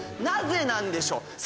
なぜなんでしょう？